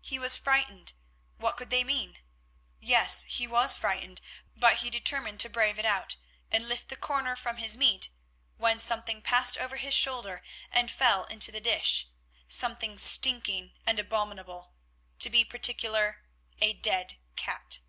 He was frightened. What could they mean? Yes, he was frightened, but he determined to brave it out, and lifted the cover from his meat, when something passed over his shoulder and fell into the dish, something stinking and abominable—to be particular, a dead cat.